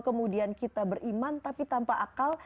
kemudian kita beriman tapi tanpa akal